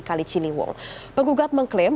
kali ciliwung penggugat mengklaim